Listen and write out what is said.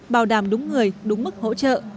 bảo đảm đúng người đúng mức hỗ trợ